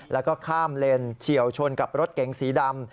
แล้วก็ข้ามเลนเฉียวชนกับรถเก๋งสีดำ